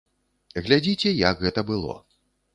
Глядзіце, як гэта было.